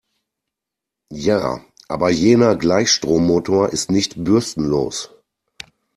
Ja, aber jener Gleichstrommotor ist nicht bürstenlos.